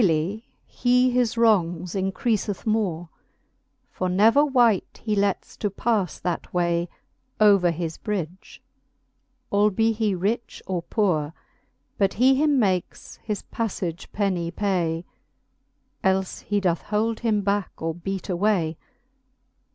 And dayly he his wrongs encreafeth more, For never wight he lets to pafle that way, Over his bridge, albee he rich or poore, • But he him makes his palTagc penny pay ; Elfe he doth hold him backe or beat away.